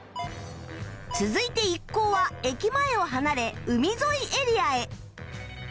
続いて一行は駅前を離れ海沿いエリアへ